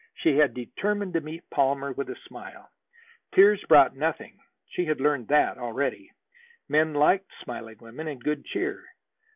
She had determined to meet Palmer with a smile. Tears brought nothing; she had learned that already. Men liked smiling women and good cheer.